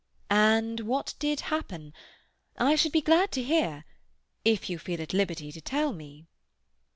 "And what did happen? I shall be glad to hear—if you feel at liberty to tell me."